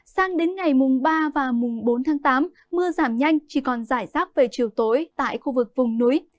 sang đến ngày mùng ba và mùng bốn tháng tám mưa giảm nhanh chỉ còn giải rác về chiều tối tại khu vực vùng núi